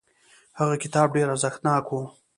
هغه کتاب ډیر ارزښتناک و.